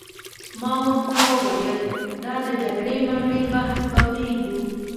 ما ورته وویل: دا د جګړې مګړې بحث به پرېږدو.